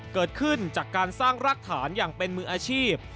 เกิดขึ้นจากการสร้างรากฐานอย่างเป็นมืออาชีพ